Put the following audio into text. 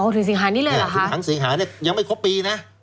ถึงสิงหานี่เลยหรอค่ะถึงถึงสิงหายังไม่ครบปีนะ